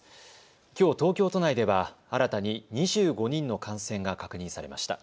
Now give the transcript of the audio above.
きょう東京都内では新たに２５人の感染が確認されました。